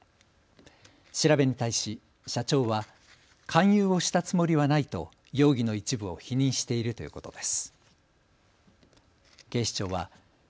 調べに対し、社長は勧誘をしたつもりはないと容疑の一部を否認しているということです。